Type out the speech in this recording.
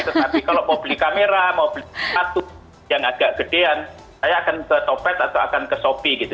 tetapi kalau mau beli kamera mau beli satu yang agak gedean saya akan ke topet atau akan ke shopee gitu